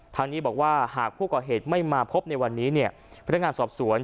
ทางนี้บอกว่าหากผู้ก่อเหตุไม่มาพบในวันนี้เนี่ยพนักงานสอบสวน